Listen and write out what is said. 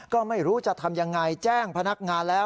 ก็ไม่รู้จะทำยังไงแจ้งพนักงานแล้ว